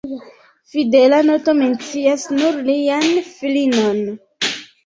Fidela noto mencias nur lian filinon.